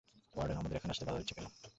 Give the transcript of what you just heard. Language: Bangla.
ওয়ার্ডেন আমাদের এখানে আসতে বাধা দিচ্ছে কেন?